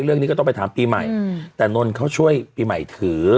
เรื่องนี้ก็ต้องไปถามปีใหม่แต่นนท์เขาช่วยปีใหม่ถือ